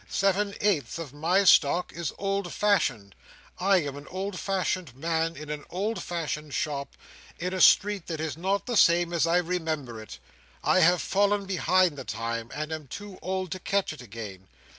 Seven eighths of my stock is old fashioned. I am an old fashioned man in an old fashioned shop, in a street that is not the same as I remember it. I have fallen behind the time, and am too old to catch it again.